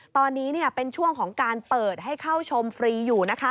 ตอนนี้เป็นช่วงของการเปิดให้เข้าชมฟรีอยู่